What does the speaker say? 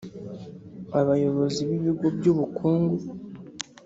abayobozi b’ibigo by’ubukungu